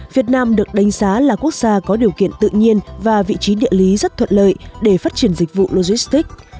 việt nam được đánh giá là quốc gia có điều kiện tự nhiên và vị trí địa lý rất thuận lợi để phát triển dịch vụ logistics